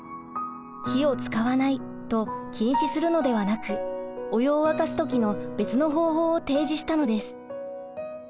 「火を使わない」と禁止するのではなくお湯を沸かす時の別の方法を提示したのです。